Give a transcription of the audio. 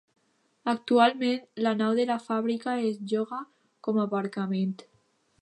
Actualment la nau de la fàbrica es lloga com a aparcament.